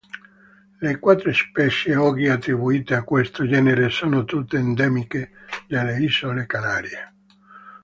Le quattro specie oggi attribuite a questo genere sono tutte endemiche delle isole Canarie.